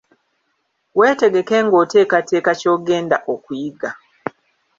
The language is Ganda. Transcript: Weetegeke ng'oteekateeka ky'ogenda okuyiga.